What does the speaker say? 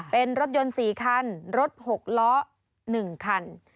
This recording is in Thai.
เป็นรถยนต์๔คันรถ๖ล้อ๑คัน